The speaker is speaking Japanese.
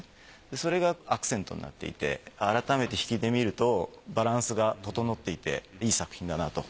それがアクセントになっていて改めて引きで見るとバランスが整っていていい作品だなと。